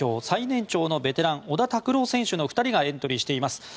最年長のベテラン、小田卓朗選手の２人がエントリーしています。